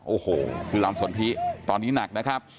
โอ้โหคือลำสนทิตอนนี้หนักนะครับ